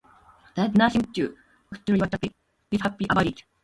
There is nothing to actually watch and be happy about it.